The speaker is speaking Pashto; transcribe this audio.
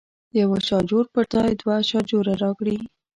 د یوه شاجور پر ځای دوه شاجوره راکړي.